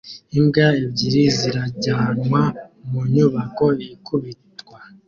Imbwa ebyiri zirajyanwa mu nyubako ikubitwa